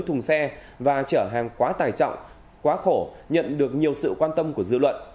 thùng xe và chở hàng quá tài trọng quá khổ nhận được nhiều sự quan tâm của dư luận